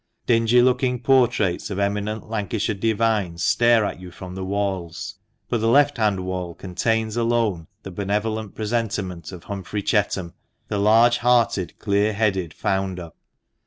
Dingy looking portraits of eminent Lancashire divines stare at you from the walls ; but the left hand wall contains alone the benevolent presentment of Humphrey Chetham, the large hearted, clear headed founder.